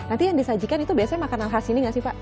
nanti yang disajikan itu biasanya makanan khas sini gak sih pak